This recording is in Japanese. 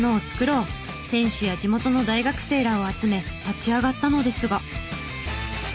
店主や地元の大学生らを集め立ち上がったのですが。